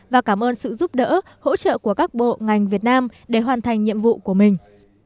và cảm ơn sự giúp đỡ hỗ trợ của các bộ ngành việt nam để hoàn thành nhiệm vụ của mình